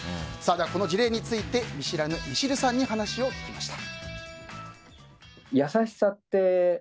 この事例について見知らぬミシルさんに話を聞きました。